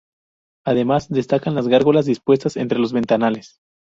Además destacan las gárgolas dispuestas entre los ventanales.